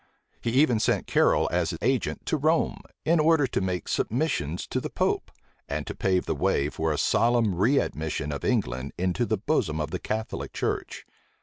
He even sent Caryl as his agent to Rome, in order to make submissions to the pope, and to pave the way for a solemn readmission of England into the bosom of the Catholic church.